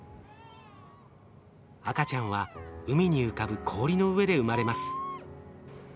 赤ちゃんは海に浮かぶ氷の上で生まれます。